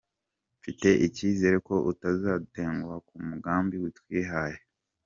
Mfite icyizere ko utazadutenguha ku migambi twihaye.